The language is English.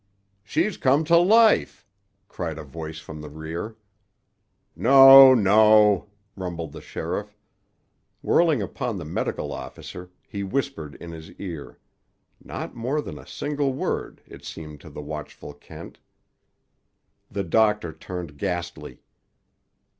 "She's come to life!" cried a voice from the rear. "No, no!" rumbled the sheriff. Whirling upon the medical officer, he whispered in his ear; not more than a single word, it seemed to the watchful Kent. The doctor turned ghastly.